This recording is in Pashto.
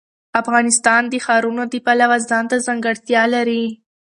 افغانستان د ښارونه د پلوه ځانته ځانګړتیا لري.